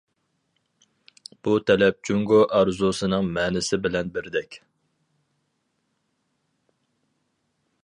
بۇ تەلەپ جۇڭگو ئارزۇسىنىڭ مەنىسى بىلەن بىردەك.